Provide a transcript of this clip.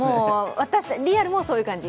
リアルもそういう感じ。